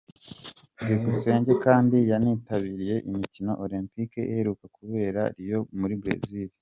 Byukusenge kandi yanitabiriye imikino Olempike iheruka kubera i Rio muri Brezil.